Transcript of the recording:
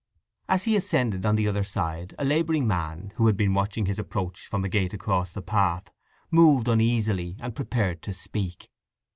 As he ascended on the other side a labouring man, who had been watching his approach from a gate across the path, moved uneasily, and prepared to speak.